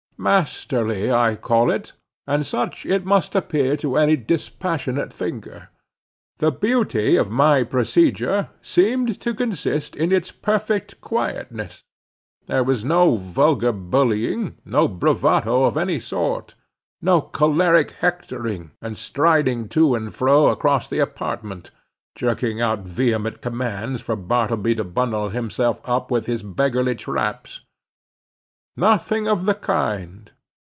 Masterly I call it, and such it must appear to any dispassionate thinker. The beauty of my procedure seemed to consist in its perfect quietness. There was no vulgar bullying, no bravado of any sort, no choleric hectoring, and striding to and fro across the apartment, jerking out vehement commands for Bartleby to bundle himself off with his beggarly traps. Nothing of the kind.